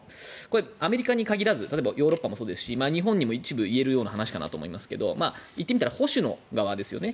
アメリカに限らずヨーロッパもそうですし日本にも一部言える話かもしれませんが言ってみたら保守の側ですよね。